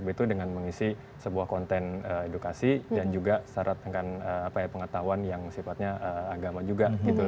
itu dengan mengisi sebuah konten edukasi dan juga syarat dengan pengetahuan yang sifatnya agama juga gitu